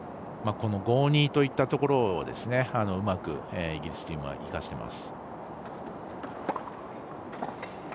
この５−２といったところをうまくイギリスチームは生かせます。